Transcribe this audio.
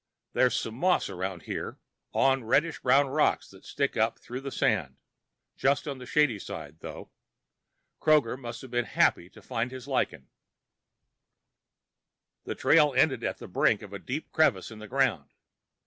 There's some moss around here, on reddish brown rocks that stick up through the sand, just on the shady side, though. Kroger must be happy to have found his lichen. The trail ended at the brink of a deep crevice in the ground.